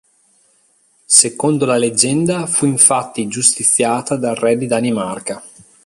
Secondo la leggenda, fu infatti giustiziata dal re di Danimarca.